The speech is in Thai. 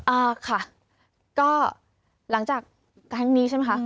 อ่าค่ะก็หลังจากครั้งนี้ใช่ไหมคะ